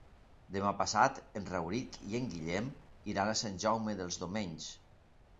Demà passat en Rauric i en Guillem iran a Sant Jaume dels Domenys.